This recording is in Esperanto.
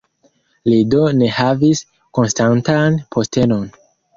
Li do ne havis konstantan postenon.